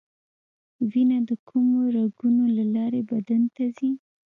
وینه د کومو رګونو له لارې بدن ته ځي